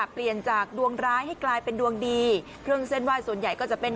เปลี่ยนจากดวงร้ายให้กลายเป็นดวงดีเครื่องเส้นไหว้ส่วนใหญ่ก็จะเป็น